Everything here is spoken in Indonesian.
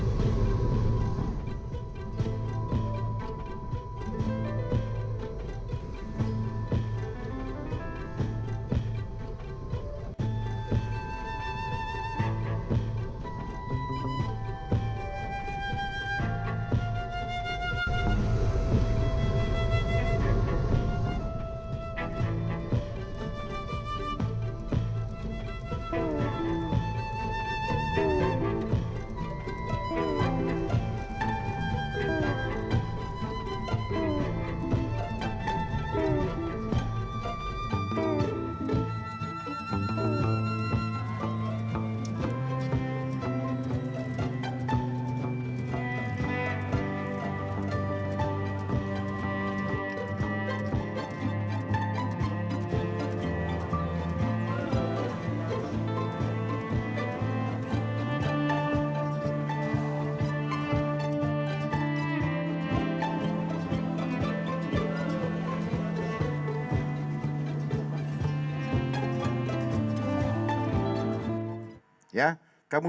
jangan lupa like share dan subscribe channel ini untuk dapat info terbaru